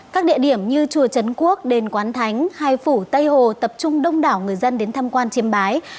các địa điểm như chùa trấn quốc đền quán thánh hai phủ tây hồ tập trung đông đảo người dân đến tham quan chiêm bái